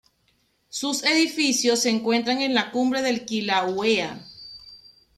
Sus edificios se encuentran en la cumbre del Kilauea.